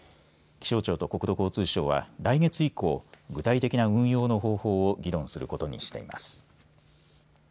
気象庁と国土交通省は来月以降、具体的な運用の方法議論することにしています。